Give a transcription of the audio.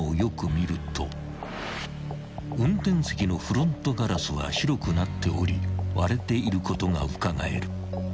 ［運転席のフロントガラスは白くなっており割れていることがうかがえる］